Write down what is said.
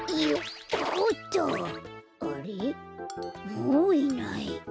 もういない。